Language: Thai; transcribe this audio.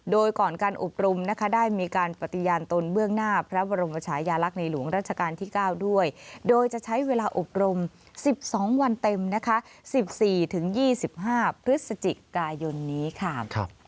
โดยก่อนการอบรมนะคะได้มีการปฏิญาณตนเบื้องหน้าพระบรมชายาลักษณ์ในหลวงราชการที่๙ด้วยโดยจะใช้เวลาอบรม๑๒วันเต็มนะคะ๑๔๒๕พฤศจิกายนนี้ค่ะ